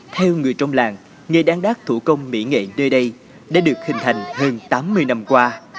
theo người trong làng nghề đáng đác thủ công mỹ nghệ nơi đây đã được hình thành hơn tám mươi năm qua